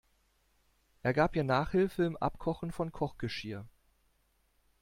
Er gab ihr Nachhilfe im Abkochen von Kochgeschirr.